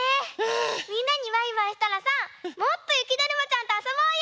みんなにバイバイしたらさもっとゆきだるまちゃんとあそぼうよ！